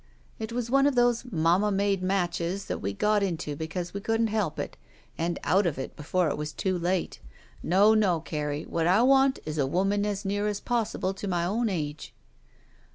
It was one of those mamma made matches that we got into because we couldn't help it and out of it before it was too late. No, no, Carrie, what I want is a woman as near as possible to my own age."